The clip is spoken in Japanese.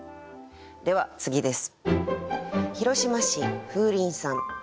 では次です。